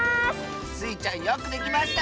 スイちゃんよくできました！